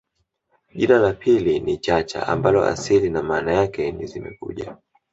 jina la pili ni Chacha ambalo asili na maana yake ni zimekuja